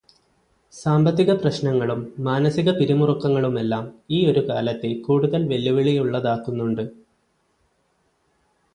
സാമ്പത്തികപ്രശ്നങ്ങളും മാനസികപിരിമുറുക്കങ്ങളുമെല്ലാം ഈ ഒരു കാലത്തെ കൂടുതൽ വെല്ലുവിളിയുള്ളതാക്കുന്നുണ്ട്.